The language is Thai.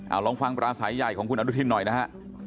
เอาลองฟังปราศัยใหญ่ของคุณอนุทินหน่อยนะฮะ